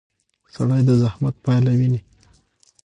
سړی د زحمت پایله ویني